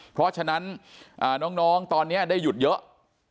เพราะฉะนั้นน้องตอนนี้ได้หยุดเยอะ